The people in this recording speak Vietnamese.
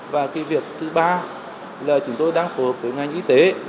và cái việc thứ ba là chúng tôi đang phù hợp với ngành y tế